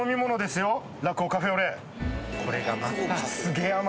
これがまた。